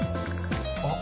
あっ。